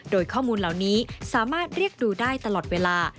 โดยข้อมูลเหล่านี้สามารถเรียกดูได้ตลอดเวลา